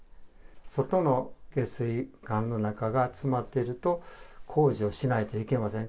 外の下水管の中が詰まっていると、工事をしないといけません。